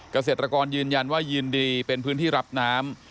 เกษตรกรยืนยันว่ายินดีเป็นพื้นที่รับน้ำ